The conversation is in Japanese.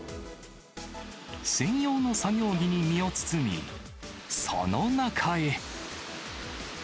専用の作業着に身を包み、その中へ。